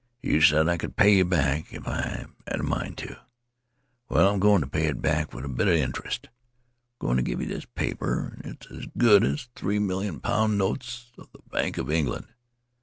You said I could pay it back if I'd a mind to. Well, I'm going to pay it back with a bit of interest. I'm going to give you this paper, and it's as good as three million pound notes of the Bank of England.'